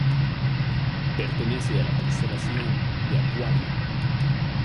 Pertenece a la constelación de Acuario.